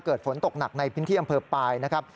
ฝนตกหนักในพื้นที่อำเภอปลายนะครับ